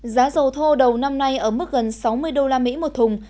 giá dầu thô đầu năm nay ở mức gần sáu mươi usd một thùng